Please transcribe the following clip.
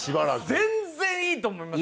全然いいと思います。